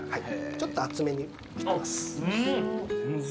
ちょっと厚めに切ってます。